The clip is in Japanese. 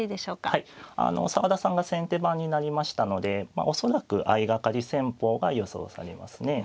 はいあの澤田さんが先手番になりましたので恐らく相掛かり戦法が予想されますね。